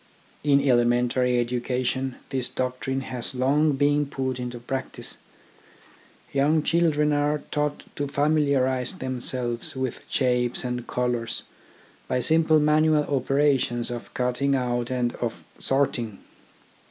In elementary education this doctrine has long been put into practice. Young children are taught to familiarise themselves with shapes and colours by simple manual operations of cutting out and of sorting.